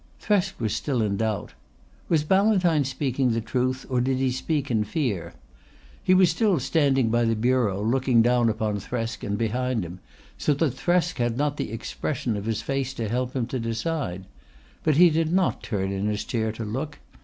Thresk sat still in doubt. Was Ballantyne speaking the truth or did he speak in fear? He was still standing by the bureau looking down upon Thresk and behind him, so that Thresk had not the expression of his face to help him to decide. But he did not turn in his chair to look.